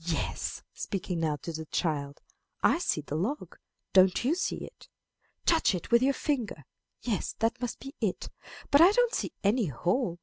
Yes" (speaking now to the child), "I see the log. Do you see it? Touch it with your finger. Yes, that must be it. But I don't see any hole.